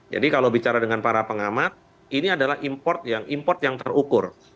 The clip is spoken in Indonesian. jadi kalau bicara dengan para pengamat ini adalah import yang terukur